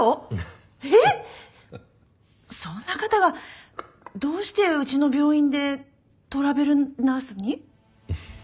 そんな方がどうしてうちの病院でトラベルナースに？